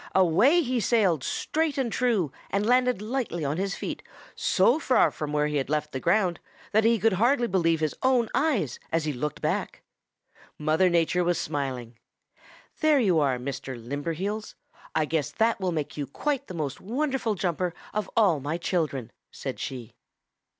Away he sailed straight and true and landed lightly on his feet so far from where he had left the ground that he could hardly believe his own eyes as he looked back. Mother Nature was smiling. "'There you are, Mr. Limberheels. I guess that that will make you quite the most wonderful jumper of all my children,' said she.